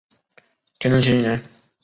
天顺七年。